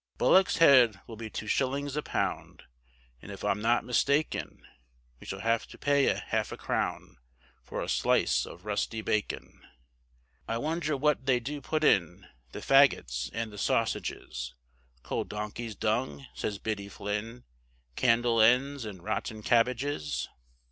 Bullock's head will be two shillings a pound, And if I'm not mistaken, We shall have to pay a half a crown For a slice of rusty bacon. I wonder what they do put in The faggots and the sausages? Cold donkeys' dung, says Biddy Flinn, Candle ends and rotten cabbages.